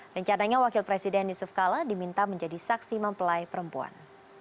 rencananya wakil presiden yusuf kala diminta menjadi saksi mempelai perempuan